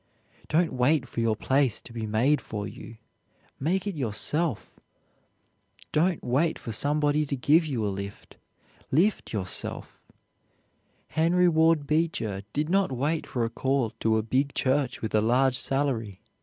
Don't wait for your place to be made for you; make it yourself. Don't wait for somebody to give you a lift; lift yourself. Henry Ward Beecher did not wait for a call to a big church with a large salary.